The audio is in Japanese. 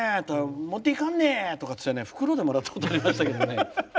もっていかんね！とか言って袋でもらったことありましたけど。